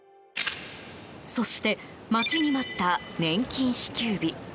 そして待ちに待った年金支給日。